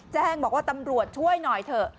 แจ้งบอกว่าตำรวจช่วยหน่อยเถอะ